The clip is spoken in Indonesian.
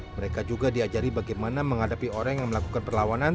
mereka juga diajari bagaimana menghadapi orang yang melakukan perlawanan